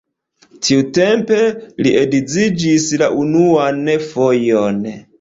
Tiutempe li edziĝis la unuan fojon.